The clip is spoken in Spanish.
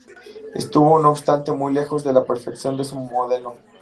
Estuvo no obstante muy lejos de la perfección de su modelo.